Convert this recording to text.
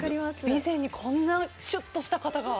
備前にこんなしゅっとした方が。